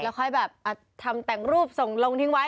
ค่อยแบบทำแต่งรูปส่งลงทิ้งไว้